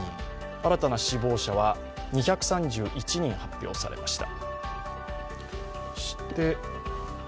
新たな死亡者は２３１人、発表されました。